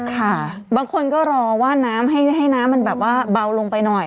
ค่ะบางคนก็รอว่าน้ำให้น้ำมันแบบว่าเบาลงไปหน่อย